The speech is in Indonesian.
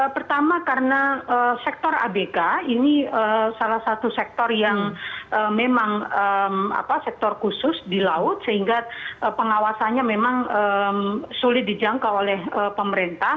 pertama karena sektor abk ini salah satu sektor yang memang sektor khusus di laut sehingga pengawasannya memang sulit dijangka oleh pemerintah